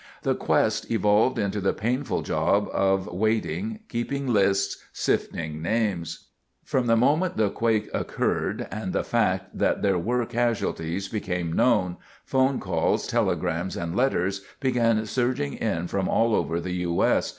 The quest evolved into the painful job of waiting, keeping lists, sifting names. From the moment the quake occurred and the fact that there were casualties became known, phone calls, telegrams, and letters began surging in from all over the U. S.